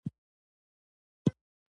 په هیڅ پړاو یې بد درته یاد نه وي.